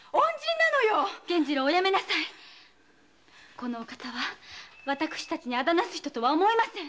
このお方は私たちに仇なす人とは思いません。